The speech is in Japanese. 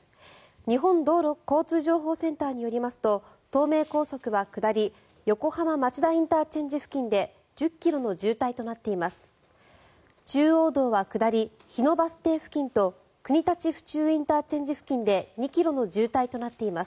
日本道路交通情報センターによりますと東名高速は下り横浜町田ＩＣ付近で１０ｋｍの渋滞となっています。